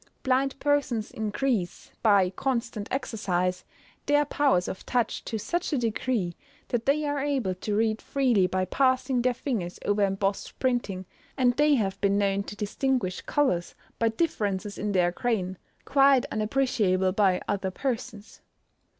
Blind persons increase, by constant exercise, their powers of touch to such a degree that they are able to read freely by passing their fingers over embossed printing; and they have been known to distinguish colours by differences in their grain, quite unappreciable by other persons.